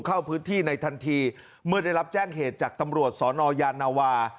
เข้าพื้นที่ในทันทีเมื่อได้รับแจ้งเหตุจากตำรวจสนยานาวา